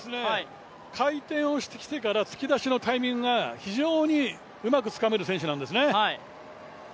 回転をしてきてから突き出しのタイミングが非常にうまくつかめる選手なんです。